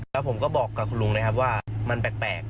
แล้วผมก็บอกกับคุณลุงเลยครับว่ามันแปลก